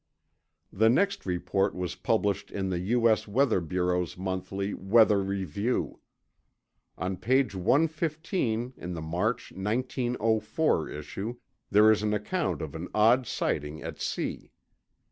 The next report was published in the U.S. Weather Bureau's monthly Weather Review. On page 115 in the March 1904 issue, there is an account of an odd sighting at sea.